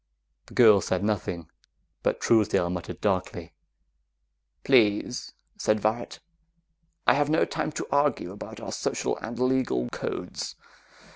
The girl said nothing, but Truesdale muttered darkly. "Please!" said Varret. "I have no time to argue about our social and legal codes.